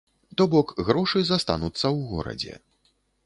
То бок, грошы застануцца ў горадзе.